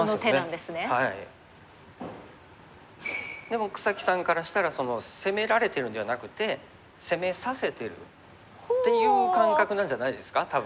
でも草木さんからしたら攻められてるんではなくて攻めさせてるっていう感覚なんじゃないですか多分。